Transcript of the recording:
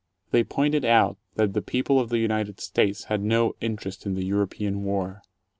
They pointed out that the people of the United States had no interest in the European War.